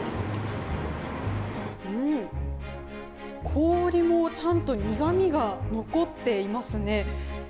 氷もちゃんと苦みが残っていますね。